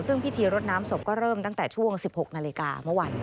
ซึ่งพิธีรดน้ำศพก็เริ่มตั้งแต่ช่วง๑๖นาฬิกาเมื่อวาน